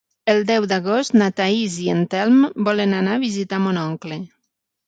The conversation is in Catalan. El deu d'agost na Thaís i en Telm volen anar a visitar mon oncle.